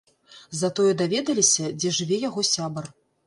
Затое даведаліся, дзе жыве яго сябар.